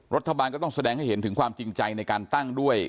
รัฐบาลก็ต้องแสดงให้เห็นถึงความจริงใจในการตั้งด้วย